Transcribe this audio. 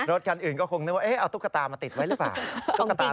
รถคันอื่นก็คงนึกว่าเอาตุ๊กตามาติดไว้หรือเปล่า